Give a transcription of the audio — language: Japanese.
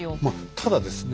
ただですね